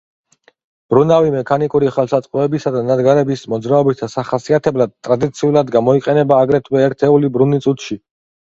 მბრუნავი მექანიკური ხელსაწყოებისა და დანადგარების მოძრაობის დასახასიათებლად ტრადიციულად გამოიყენება აგრეთვე ერთეული ბრუნი წუთში.